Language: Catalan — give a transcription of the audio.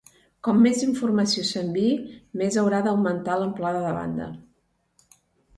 Com més informació s'enviï, més haurà d'augmentar l'amplada de banda.